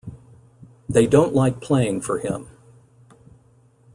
They don't like playing for him.